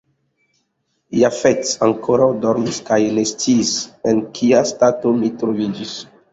Jafet ankoraŭ dormis kaj ne sciis, en kia stato mi troviĝis.